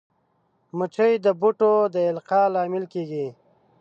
مچمچۍ د بوټو د القاح لامل کېږي